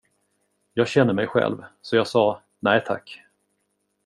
Jag känner mig själv, så jag sa, nej tack.